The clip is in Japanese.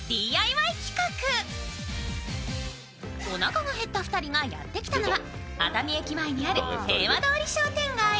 おなかが減った２人がやってきたのは熱海駅前にある平和通り商店街。